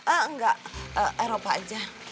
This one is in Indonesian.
enggak eropa aja